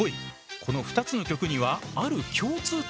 この２つの曲にはある共通点がある。